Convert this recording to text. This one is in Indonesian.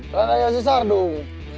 nah raya sissardung